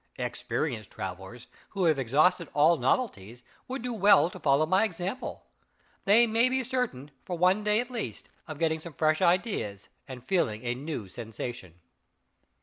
Experienced travelers, who have exhausted all novelties, would do well to follow my example; they may be certain, for one day at least, of getting some fresh ideas, and feeling a new sensation.